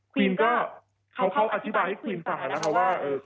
คุณก็เขาอธิบายให้คุณฝ่านะครับว่า